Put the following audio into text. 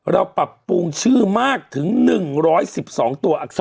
เราปรับปรุงชื่อมากถึง๑๑๒ตัวอักษร